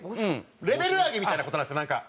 レベル上げみたいな事なんですよなんか。